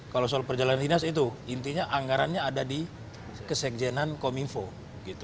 kalau soal perjalanan dinas itu intinya anggarannya ada di kesekjenan kominfo